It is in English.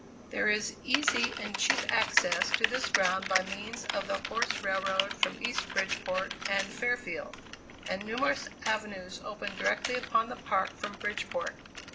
There is easy and cheap access to this ground by means of the horse railroad from East Bridgeport and Fairfield, and numerous avenues open directly upon the park from Bridgeport.